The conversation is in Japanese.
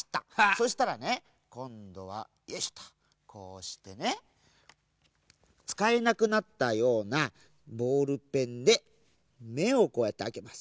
そしたらねこんどはよいしょとこうしてねつかえなくなったようなボールペンでめをこうやってあけます。